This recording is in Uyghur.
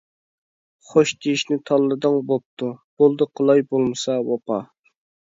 خوش دېيىشنى تاللىدىڭ بوپتۇ، بولدى قىلاي بولمىسا ۋاپا.